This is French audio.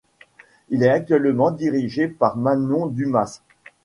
Il est actuellement dirigé par Manon Dumas.